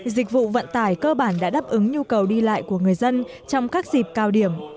dịch vụ vận tải cơ bản đã đáp ứng nhu cầu đi lại của người dân trong các dịp cao điểm